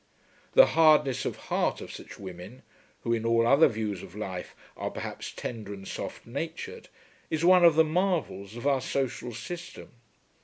The hardness of heart of such women, who in all other views of life are perhaps tender and soft natured, is one of the marvels of our social system.